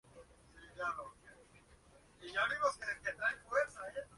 Esa noche, Tuck y Alex recogen a un Munch muy nervioso.